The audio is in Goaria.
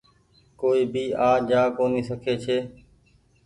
ڪوئي ڀي آج جآ ڪونيٚ سکي ڇي۔